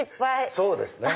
そうですね。